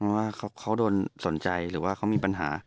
เพราะว่าเขาโดนสนใจหรือว่าเขามีปัญหา